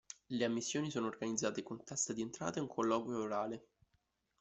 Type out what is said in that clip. Le ammissioni sono organizzate con test di entrata e un colloquio orale.